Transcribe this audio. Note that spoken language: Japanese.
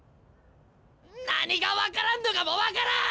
何が分からんのかも分からん！